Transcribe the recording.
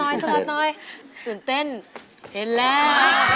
ตื่นเต้นเห็นแล้ว